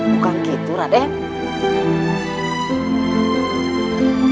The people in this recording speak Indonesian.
bukan gitu radhe